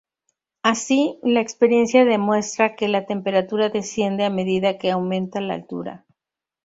Así, la experiencia demuestra que la temperatura desciende a medida que aumenta la altura.